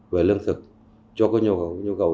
về lương thực cho nhu cầu